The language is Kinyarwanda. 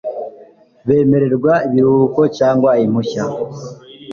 bemererwa ibiruhuko cyangwa impushya